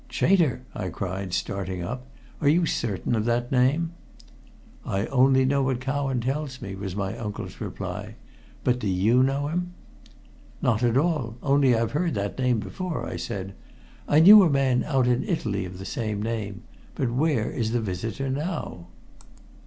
"Chater!" I cried, starting up. "Are you certain of that name?" "I only know what Cowan told me," was my uncle's reply. "But do you know him?" "Not at all. Only I've heard that name before," I said. "I knew a man out in Italy of the same name. But where is the visitor now?"